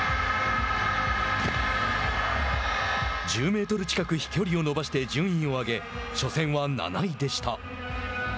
１０メートル近く飛距離を伸ばして順位を上げ、初戦は７位でした。